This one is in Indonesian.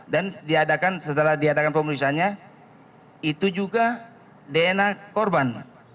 dan diadakan setelah diadakan pemeriksaannya itu juga dna korban